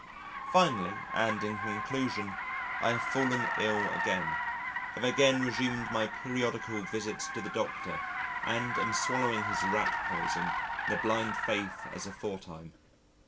Finally and in conclusion I have fallen ill again, have again resumed my periodical visits to the Doctor, and am swallowing his rat poison in a blind faith as aforetime.